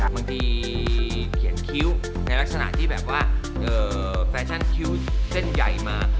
บางทีเขียนคิ้วอะไรแบบแปรชั่นคิ้วเส้นใหญ่มา